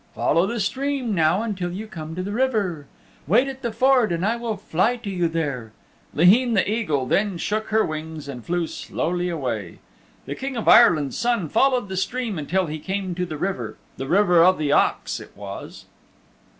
Follow the stream now until you come to the river. Wait at the ford and I will fly to you there." Laheen the Eagle then shook her wings and flew slowly away. The King of Ireland's Son followed the stream until he came to the river the River of the Ox it was.